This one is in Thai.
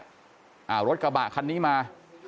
อ่ะรถกระบากคันนี้มา